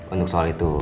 untuk soal itu